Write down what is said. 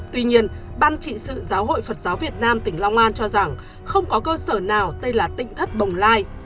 tuy nhiên ban trị sự giáo hội phật giáo việt nam tỉnh long an cho rằng không có cơ sở nào tên là tỉnh thất bồng lai